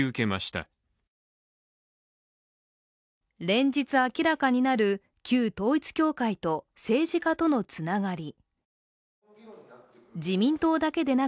連日、明らかになる旧統一教会と政治家とのつながり。